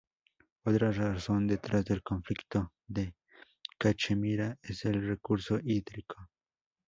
Otra razón detrás del conflicto de Cachemira es el recurso hídrico.